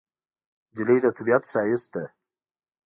نجلۍ د طبیعت ښایست ده.